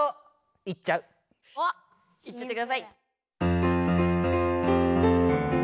いっちゃってください。